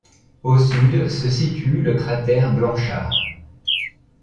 Au sud se situe le cratère Blanchard.